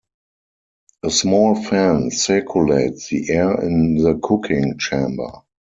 A small fan circulates the air in the cooking chamber.